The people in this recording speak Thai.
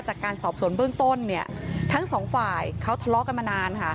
จากการสอบสวนเบื้องต้นเนี่ยทั้งสองฝ่ายเขาทะเลาะกันมานานค่ะ